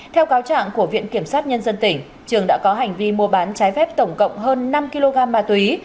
theo cáo trạng của viện kiểm sát nhân dân tỉnh trường đã có hành vi mua bán trái phép tổng cộng hơn năm kg ma túy